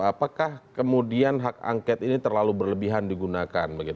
apakah kemudian hak angket ini terlalu berlebihan digunakan